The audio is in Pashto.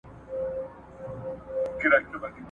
خدای ورکړی داسي ږغ داسي آواز وو `